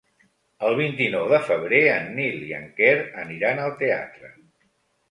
El vint-i-nou de febrer en Nil i en Quer aniran al teatre.